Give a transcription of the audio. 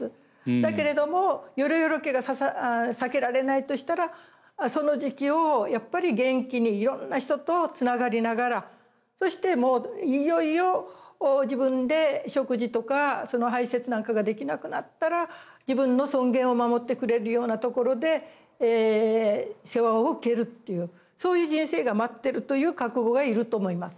だけれどもヨロヨロ期が避けられないとしたらその時期をやっぱり元気にいろんな人とつながりながらそしてもういよいよ自分で食事とか排せつなんかができなくなったら自分の尊厳を守ってくれるようなところで世話を受けるっていうそういう人生が待ってるという覚悟がいると思います。